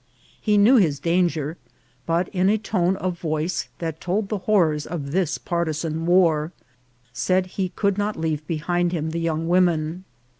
He knew his danger, but in a tone of voice that told the horrors of this partisan war, said he could not leave behind him the young women.